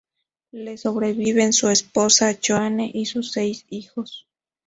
Le sobreviven su esposa Joanne y sus seis hijos.